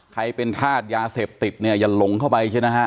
ใครเป็นธาตุยาเสพติดเนี่ยอย่าหลงเข้าไปใช่ไหมฮะ